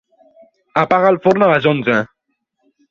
Apaga el forn a les onze.